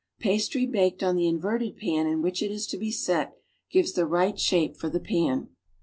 Pastry baked on the inverted pan in which it is to be set gives the right shape for the pan.